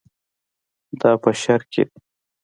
دا په شرق کې دي.